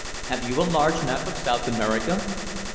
Have you a large map of South America?"